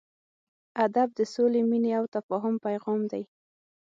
ادب د سولې، مینې او تفاهم پیغام دی.